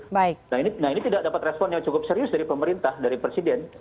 nah ini tidak dapat respon yang cukup serius dari pemerintah dari presiden